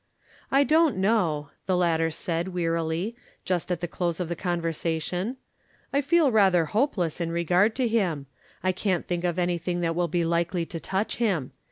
" I don't know," the latter said, wearily, just at the close of the conversation, " I feel rather hopeless in regard to him. I can't think of any thing that will be likely to touch him.